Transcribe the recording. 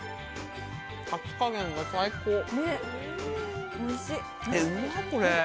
炊き加減が最高。